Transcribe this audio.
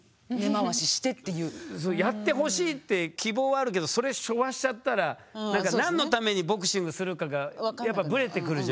やってほしいって希望はあるけどそれ背負わしちゃったら何のためにボクシングするかがやっぱブレてくるじゃないですか。